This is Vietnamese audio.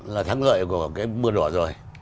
là thắng lợi của cái mưa đỏ rồi